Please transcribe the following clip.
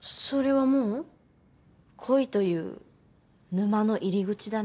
恋という沼の入り口だね。